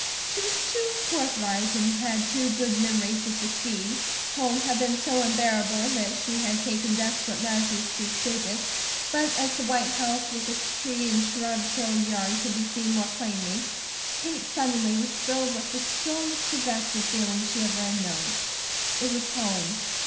She was too forthright and had too good memory to succeed. Home had been so unbearable that she had taken desperate measures to escape it, but as the white house with its tree and shrub filled yard could be seen more plainly, Kate suddenly was filled with the strongest possessive feeling she ever had known. It was home.